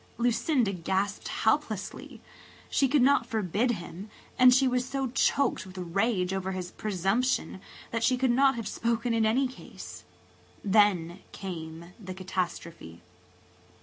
Lucinda gasped helplessly. She could not forbid him and she was so choked with rage over his presumption that she could not have spoken in any case. Then came the catastrophe.